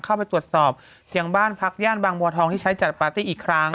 เข้าไปตรวจสอบเสียงบ้านพักย่านบางบัวทองที่ใช้จัดปาร์ตี้อีกครั้ง